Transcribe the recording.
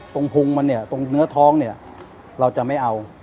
พุงมันเนี่ยตรงเนื้อท้องเนี่ยเราจะไม่เอา